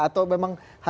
cukup berharga nggak